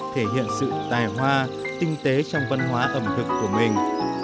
thể hiện sự tài hoa tinh tế trong văn hóa ẩm thực của mình